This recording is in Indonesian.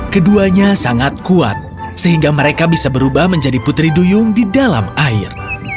keduanya sangat kuat sehingga mereka bisa berubah menjadi putri duyung di dalam air